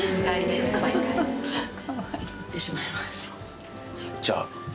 行ってしまいます。